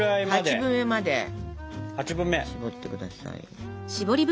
８分目までしぼってください。